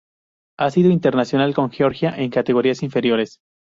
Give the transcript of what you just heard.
Ha sido internacional con Georgia en categorías inferiores.